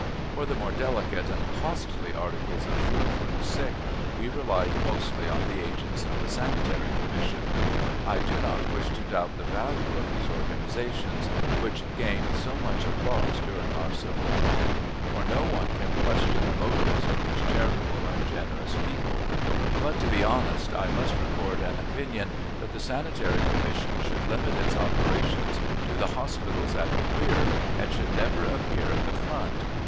For the more delicate and costly articles of food for the sick we relied mostly on the agents of the Sanitary Commission. I do not wish to doubt the value of these organizations, which gained so much applause during our civil war, for no one can question the motives of these charitable and generous people; but to be honest I must record an opinion that the Sanitary Commission should limit its operations to the hospitals at the rear, and should never appear at the front.